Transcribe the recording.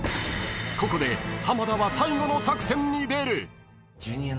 ［ここで濱田は最後の作戦に出る！］